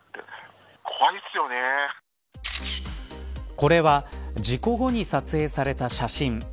これは事故後に撮影された写真。